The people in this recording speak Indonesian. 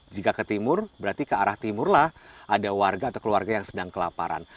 jika ke timur berarti ke arah timur lah ada warga atau keluarga yang sedang kelaparan